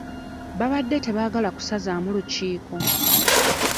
Baabadde tebaagala kusazaamu lukiiko.